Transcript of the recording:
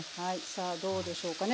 さあどうでしょうかね。